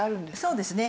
そうですね。